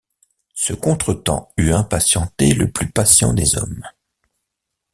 Ce contre-temps eût impatienté le plus patient des hommes.